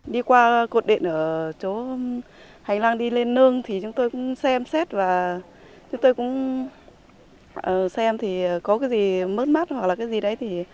đi qua cột điện ở chỗ hành lang đi lên nương thì chúng tôi cũng xem xét và chúng tôi cũng xem thì có cái gì mất mắt hoặc là cái gì đấy